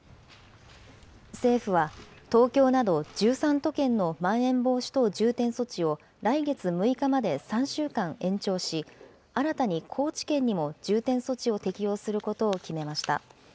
政府は、東京など１３都県のまん延防止等重点措置を来月６日まで３週間延長し、新たに高知県にも重点措置を適用することを決めました。